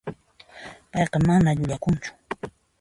Payqa mana llullakunchu.